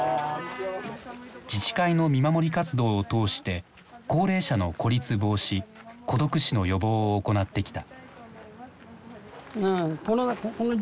自治会の見守り活動を通して高齢者の孤立防止孤独死の予防を行ってきた。